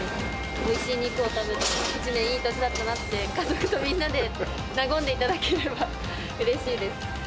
おいしい肉を食べて、１年、いい年だったなって、家族とみんなで和んでいただければ、うれしいです。